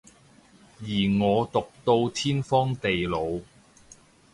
而我毒到天荒地老